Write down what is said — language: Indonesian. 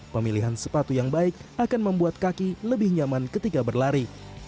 pemilihan sepatu yang baik akan membuat kaki lebih nyaman ketika berlari